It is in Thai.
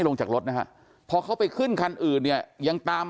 ลงจากรถนะฮะพอเขาไปขึ้นคันอื่นเนี่ยยังตาม